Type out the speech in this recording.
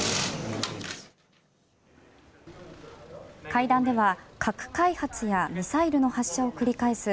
会談では核開発やミサイルの発射を繰り返す